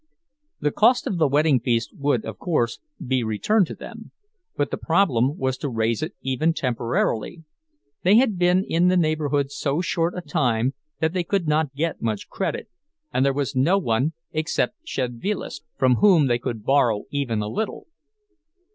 The cost of the wedding feast would, of course, be returned to them; but the problem was to raise it even temporarily. They had been in the neighborhood so short a time that they could not get much credit, and there was no one except Szedvilas from whom they could borrow even a little.